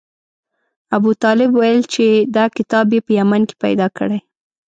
ابوطالب ویل چې دا کتاب یې په یمن کې پیدا کړی.